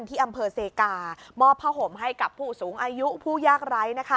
ที่อำเภอเซกามอบผ้าห่มให้กับผู้สูงอายุผู้ยากไร้นะคะ